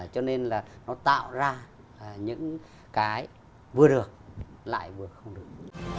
cho nên là nó tạo ra những cái vừa được lại vừa không được